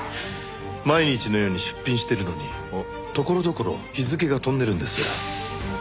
毎日のように出品してるのにところどころ日付が飛んでるんです。